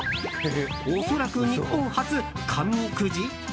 「おそらく日本初髪くじ」？